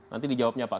nanti dijawabnya pak